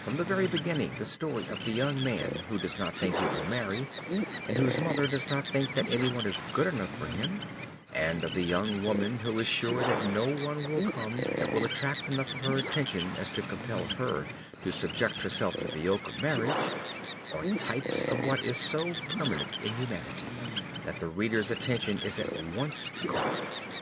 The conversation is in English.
From the very beginning the story of the young man who does not think he will marry, and whose mother does not think that any one is good enough for him, and of the young woman who is sure that no one will come that will attract enough of her attention so as to compel her to subject herself to the yoke of marriage, are types of what is so permanent in humanity, that the readers' attention is at once caught.